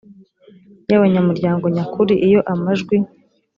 y abanyamuryango nyakuri iyo amajwi